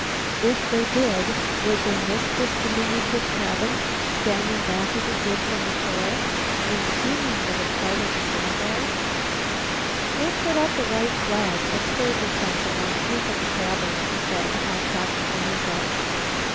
If they did, would they miss this diminutive cabin standing back as it did from the shore, and seeming but a part of the sandbar? "We'll put up a white flag, a skirt or something, on the peak of the cabin," she said, half talking to herself.